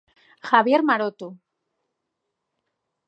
Javier Maroto.